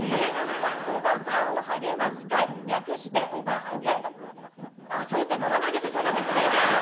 おばさんを励ます会、略して、あっ、そうってならないでしょ、そんな説明じゃ。